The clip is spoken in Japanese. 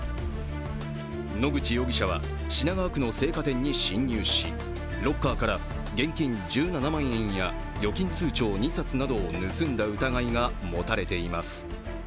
野口容疑者は品川区の青果店に侵入しロッカーから現金１７万円や預金通帳２冊などを盗んだ疑いが持たれています。